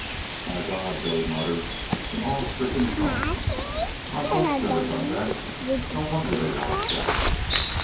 "My God!" Billy muttered in awe stricken tones. "Our folks never done that. No wonder they lost out."